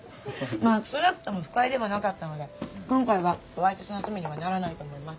まあ少なくとも不快ではなかったので今回はわいせつの罪にはならないと思います。